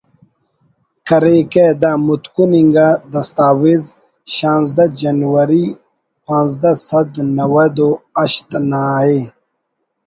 کریکہ دا متکن انگا دستاویزشانزدہ جنوری پانزدہ سد نود و ہشت ناءِ